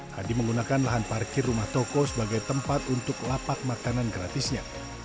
hadi menggunakan lahan parkir rumah toko sebagai tempat untuk lapak makanan gratisnya